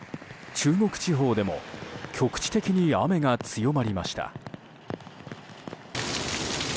中国地方でも局地的に雨が強まりました。